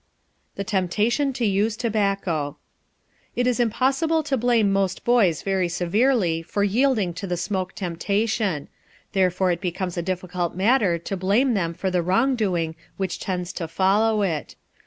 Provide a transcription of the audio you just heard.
THE TEMPTATION TO USE TOBACCO It is impossible to blame most boys very severely for yielding to the smoke temptation; therefore it becomes a difficult matter to blame them for the wrong doing which tends to follow it.